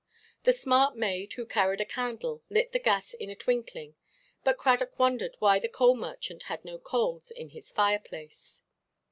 The smart maid, who carried a candle, lit the gas in a twinkling, but Cradock wondered why the coal–merchant had no coals in his fireplace.